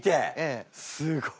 すごい。